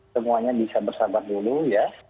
semuanya bisa bersabar dulu ya